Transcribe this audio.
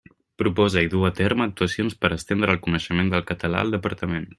Proposa i duu a terme actuacions per estendre el coneixement del català al Departament.